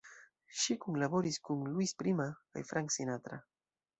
Ŝi kunlaboris kun Louis Prima kaj Frank Sinatra.